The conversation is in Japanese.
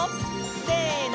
せの！